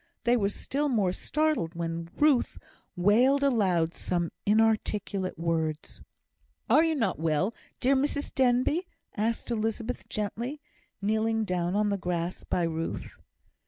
They were still more startled when Ruth wailed aloud some inarticulate words. "Are you not well, dear Mrs Denbigh?" asked Elizabeth, gently, kneeling down on the grass by Ruth.